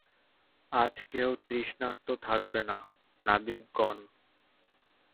আজ কেউ তৃষ্ণার্ত থাকবে না, নাবিকগণ!